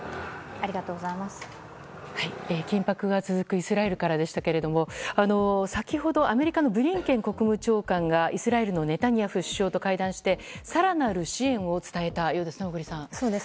緊迫が続くイスラエルからでしたけれども先ほどアメリカのブリンケン国務長官がイスラエルのネタニヤフ首相と会談して更なる支援を伝えたそうですね小栗さん。